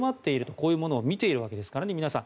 こういうものを見ているわけですからね皆さん。